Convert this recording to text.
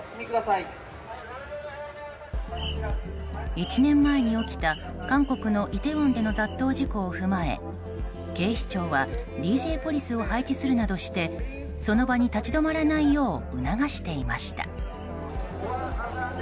１年前に起きた韓国のイテウォンでの雑踏事故を踏まえ警視庁はＤＪポリスを配置するなどしてその場に立ち止まらないよう促していました。